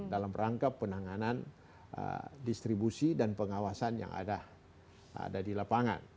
dalam rangka penanganan distribusi dan pengawasan yang ada di lapangan